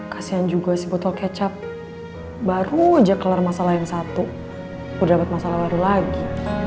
kasian juga sih botol kecap baru aja kelar masalah yang satu udah dapat masalah baru lagi